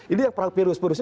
ini yang virus virus ini